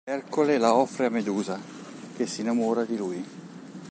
Ercole la offre a Medusa che si innamora di lui.